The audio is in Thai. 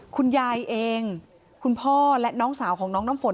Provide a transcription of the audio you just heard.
คุณยายเองคุณพ่อและน้องสาวของน้องน้ำฝน